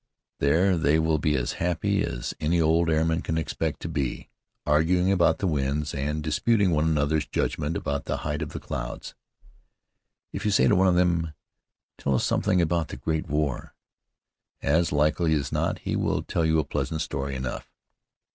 There they will be as happy as any old airman can expect to be, arguing about the winds and disputing one another's judgment about the height of the clouds. If you say to one of them, "Tell us something about the Great War," as likely as not he will tell you a pleasant story enough.